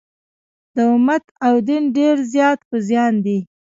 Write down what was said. د امت او دین ډېر زیات په زیان دي.